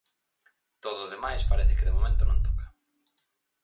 Todo o demais parece que de momento non toca.